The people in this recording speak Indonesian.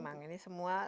memang ini semua